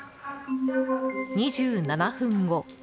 ２７分後。